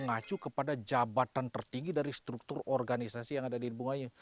ini menuju kepada jabatan tertinggi dari struktur organisasi yang ada di bungaya